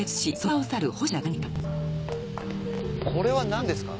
これは何ですか？